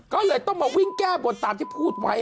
ก็เลยต้องมาวิ่งแก้บนตามที่พูดไว้